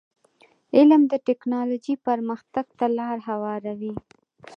علم د ټکنالوژی پرمختګ ته لار هواروي.